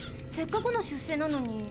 せっかくの出世なのに。